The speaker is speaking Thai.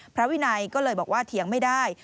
พระวินัยก็เลยบอกว่าเถียงไม่ได้